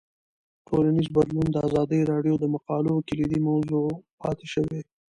ټولنیز بدلون د ازادي راډیو د مقالو کلیدي موضوع پاتې شوی.